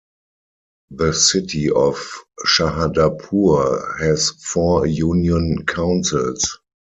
The city of Shahdadpur has four union councils.